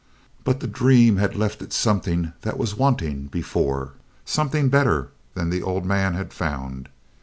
But the dream had left it something that was wanting before, something better than the old man had found.